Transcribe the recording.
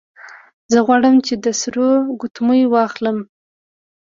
زه غواړم چې د سرو ګوتمۍ واخلم